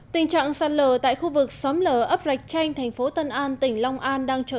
tình trạng sạt lở tại khu vực xóm lở ấp rạch chanh thành phố tân an tỉnh long an đang trở